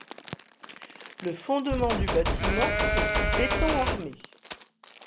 Le fondement du bâtiment est du béton armé.